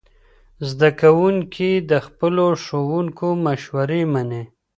زده کوونکي د خپلو ښوونکو مشورې مني.